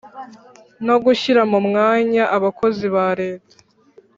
no gushyira mu myanya abakozi bareta